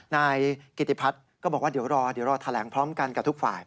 นายกิติพัฒน์ก็บอกว่าเดี๋ยวรอเดี๋ยวรอแถลงพร้อมกันกับทุกฝ่าย